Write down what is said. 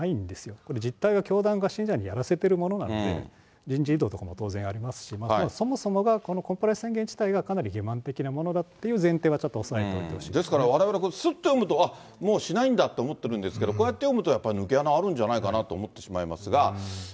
これ、実態は教団が信者にやらせているもので、人事異動とかも当然ありますし、そもそもが、このコンプライアンス宣言自体が、欺まん的なものだということを前提はちょっと押さえておいてほしですから、われわれ、すっと読むと、あっ、もうしないんだと思ってるんですけど、こうやって読むと抜け穴があるんだと思ってしまいますけど。